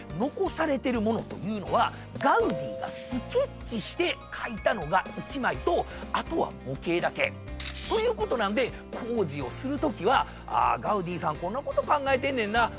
残されてる物というのはガウディがスケッチして描いたのが１枚とあとは模型だけ。ということなんで工事をするときはガウディさんこんなこと考えてんねんな。